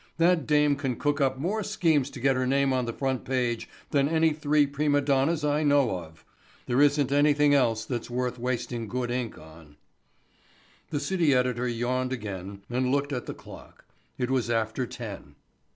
That dame can cook up more schemes to get her name on the front page than any three prima donnas I know of. There isn't anything else that's worth wasting good ink on." The city editor yawned again and looked at the clock. It was after ten.